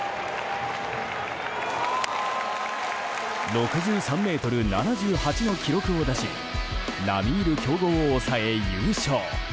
６３ｍ７８の記録を出し並み居る強豪を抑え、優勝。